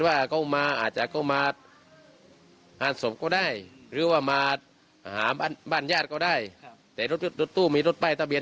หาบ้านญาติเขาก็ได้แต่รถตู้มีรถใบตะเบียน